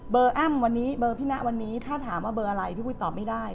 อ้ำวันนี้เบอร์พี่นะวันนี้ถ้าถามว่าเบอร์อะไรพี่ปุ้ยตอบไม่ได้